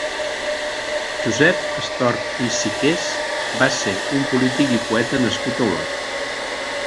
Josep Estorch i Siqués va ser un polític i poeta nascut a Olot.